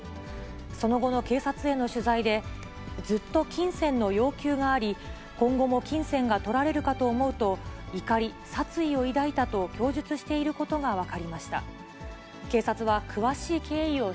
その後の警察への取材で、ずっと金銭の要求があり、今後も金銭がとられるかと思うと、怒り、殺意を抱いたと供述していることが分かりました。